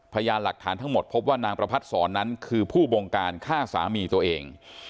พยานหลักฐานทั้งหมดพบว่านางประพัดศรนั้นคือผู้บงการฆ่าสามีตัวเอง